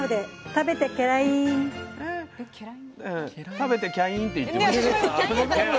食べてキャインって言ってました？